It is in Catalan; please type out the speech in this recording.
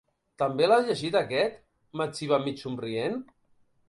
També l'has llegit, aquest? —m'etziba, mig somrient.